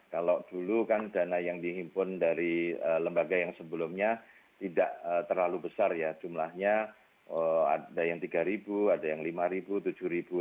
kalau dulu kan dana yang dihimpun dari lembaga yang sebelumnya tidak terlalu besar ya jumlahnya ada yang tiga ribu ada yang lima ribu tujuh ribu